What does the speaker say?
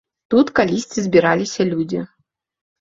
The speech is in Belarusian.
Тут калісьці збіраліся людзі.